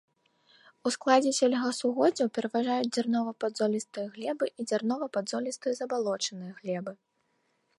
У складзе сельгасугоддзяў пераважаюць дзярнова-падзолістыя глебы і дзярнова-падзолістыя забалочаныя глебы.